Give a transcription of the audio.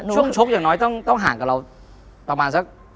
ชกอย่างน้อยต้องห่างกับเราประมาณสัก